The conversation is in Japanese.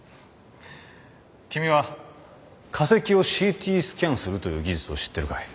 君は化石をＣＴスキャンするという技術を知ってるかい？